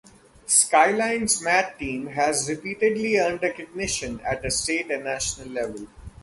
Skyline's math team has repeatedly earned recognition at a state and national level.